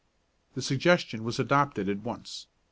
The suggestion was adopted at once.